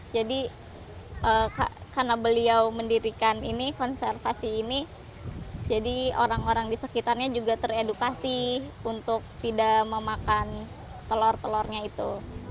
karena beliau mendirikan ini konservasi ini jadi orang orang di sekitarnya juga teredukasi untuk tidak memakan telur telurnya itu